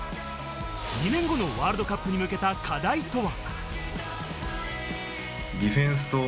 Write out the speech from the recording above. ２年後のワールドカップに向けた課題とは。